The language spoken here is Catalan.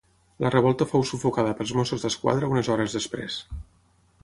La revolta fou sufocada pels Mossos d'Esquadra unes hores després.